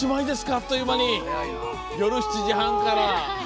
あっという間に、夜７時半から。